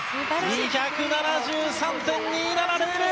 ２７３．２７００！